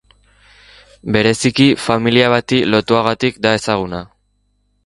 Bereziki familia bati lotuagatik da ezaguna.